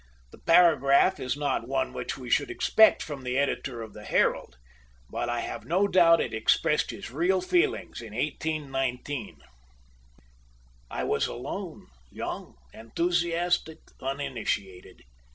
The paragraph is not one which we should expect from the editor of the "Herald," but I have no doubt it expressed his real feelings in 1819. "I was alone, young, enthusiastic, uninitiated.